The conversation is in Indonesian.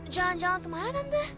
jalan jalan kemana tante